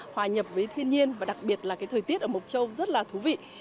hòa nhập với thiên nhiên và đặc biệt là thời tiết ở mộc châu rất là thú vị